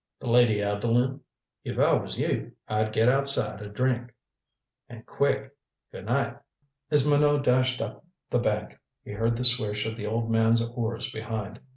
"The Lady Evelyn. If I was you, I'd get outside a drink, and quick. Good night." As Minot dashed up the bank, he heard the swish of the old man's oars behind.